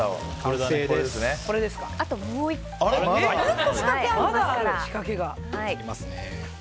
もう１個仕掛けがありますから。